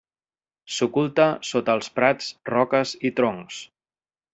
S'oculta sota els prats, roques i troncs.